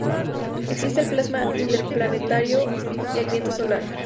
Existe el plasma interplanetario, el viento solar.